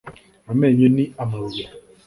amenyo ni amabuye